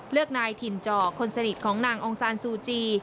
นายถิ่นจ่อคนสนิทของนางองซานซูจี